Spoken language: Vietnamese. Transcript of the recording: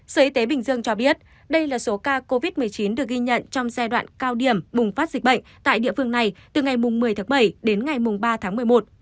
sở y tế bình dương cho biết đây là số ca covid một mươi chín được ghi nhận trong giai đoạn cao điểm bùng phát dịch bệnh tại địa phương này từ ngày một mươi tháng bảy đến ngày ba tháng một mươi một